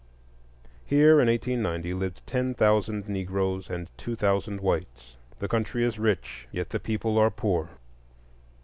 Here in 1890 lived ten thousand Negroes and two thousand whites. The country is rich, yet the people are poor.